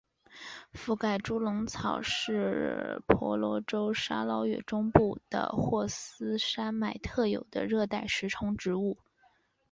附盖猪笼草是婆罗洲沙捞越中部的霍斯山脉特有的热带食虫植物。